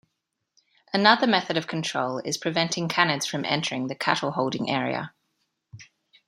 Another method of control is preventing canids from entering the cattle holding area.